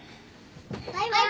バイバイ。